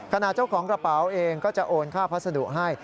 เจ้าของกระเป๋าเองก็จะโอนค่าพัสดุให้